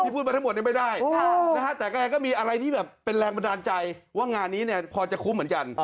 พูดมาทั้งหมดนี้ไม่ได้นะฮะแต่แกก็มีอะไรที่แบบเป็นแรงบันดาลใจว่างานนี้เนี่ยพอจะคุ้มเหมือนกัน